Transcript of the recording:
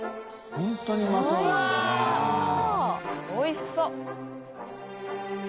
おいしそう！